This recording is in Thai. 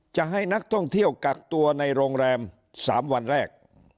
จะให้นักท่องเที่ยวกักตัวในโรงแรม๓วันแรก